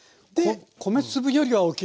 米粒よりは大きいけどね。